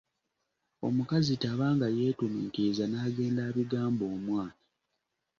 Omukazi taba nga yeetumiikirizza n’agenda abigamba omwana.